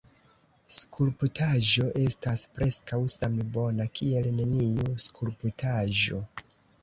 Skulptaĵo estas preskaŭ same bona kiel neniu skulptaĵo.